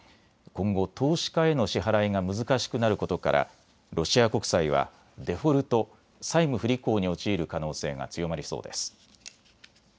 今後、投資家への支払いが難しくなることからロシア国債はデフォルト・債務不履行に陥る可能性が強まりそうです。